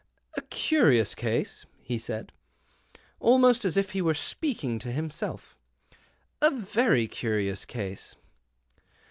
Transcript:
" A curious case," he said, almost as if he were speaking to himself, " a very curious case."